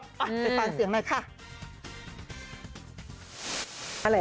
ติดตามเสียงหน่อยค่ะ